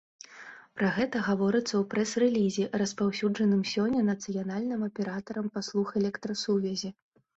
Пра гэта гаворыцца ў прэс-рэлізе, распаўсюджаным сёння нацыянальным аператарам паслуг электрасувязі.